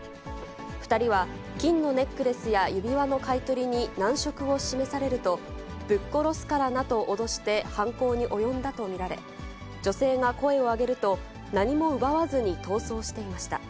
２人は金のネックレスや指輪の買い取りに難色を示されると、ぶっ殺すからなと脅して犯行に及んだと見られ、女性が声を上げると、何も奪わずに逃走していました。